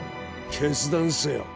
決断せよ。